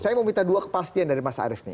saya mau minta dua kepastian dari mas arief nih